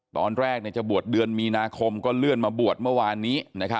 ตอนแรกจะบวชเดือนมีนาคมก็เลื่อนมาบวชเมื่อวานนี้